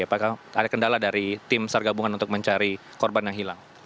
apakah ada kendala dari tim sar gabungan untuk mencari korban yang hilang